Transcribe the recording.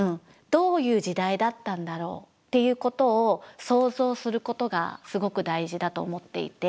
どういう時代だったんだろうっていうことを想像することがすごく大事だと思っていて。